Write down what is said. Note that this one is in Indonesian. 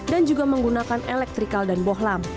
dan juga menggunakan elektrikal dan bohlam